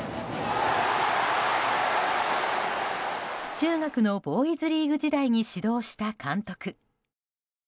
中学のボーイズリーグ時代に指導した監督。